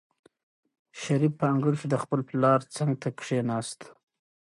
شریف په انګړ کې د خپل پلار څنګ ته کېناست.